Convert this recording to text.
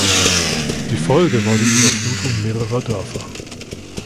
Die Folge war die Überflutung mehrerer Dörfer.